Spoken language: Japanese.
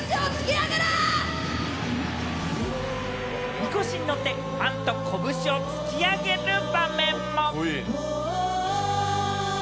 みこしに乗って、ファンと拳を突き上げる場面も。